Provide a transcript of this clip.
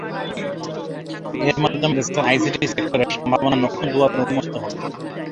এর মাধ্যমে দেশের আইসিটি সেক্টরে সম্ভাবনার নতুন দুয়ার উন্মোচিত হলো।